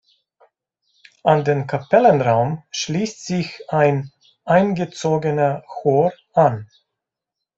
An den Kapellenraum schließt sich ein eingezogener Chor an.